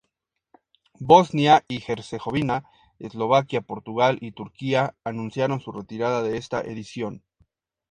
Bosnia y Herzegovina, Eslovaquia, Portugal y Turquía anunciaron su retirada de esta edición.